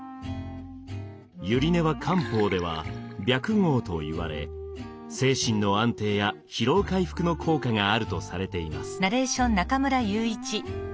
百合根は漢方ではビャクゴウといわれ精神の安定や疲労回復の効果があるとされています。